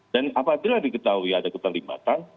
dan apabila diketahui ada keterlibatan